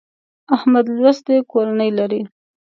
احمد لوستې کورنۍ لري.